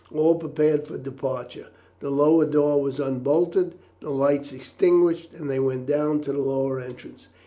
All prepared for departure; the lower door was unbolted, the lights extinguished, and they went down to the lower entrance.